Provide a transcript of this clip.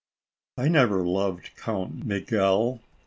I never loved Count Miguel.